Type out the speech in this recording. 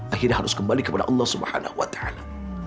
akhirnya harus kembali kepada allah subhanahu wa ta'ala